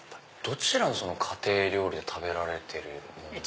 どちらの家庭料理で食べられてるものなんですか？